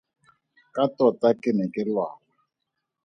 Ka tota ke ne ke lwala.